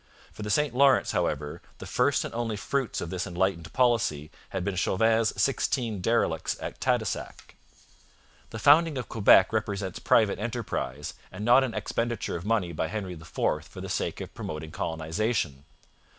For the St Lawrence, however, the first and only fruits of this enlightened policy had been Chauvin's sixteen derelicts at Tadoussac. The founding of Quebec represents private enterprise, and not an expenditure of money by Henry IV for the sake of promoting colonization.